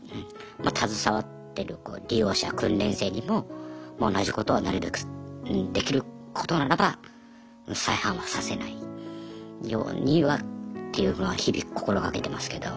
携わってる利用者訓練生にも同じことはなるべくできることならば再犯はさせないようにはっていうのは日々心掛けてますけど。